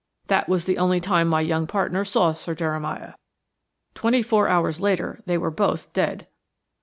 That was the only time my young partner saw Sir Jeremiah. Twenty four hours later they were both dead."